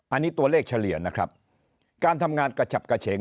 อันนี้ตัวเลขเฉลี่ยนะครับการทำงานกระฉับกระเฉง